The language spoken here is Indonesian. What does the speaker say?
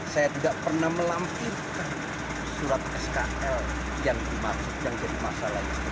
saya tidak pernah melampirkan surat skl yang dimaksudkan jadi masalah itu